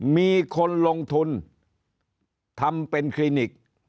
มีคนลงทุนทำเป็นคลินิก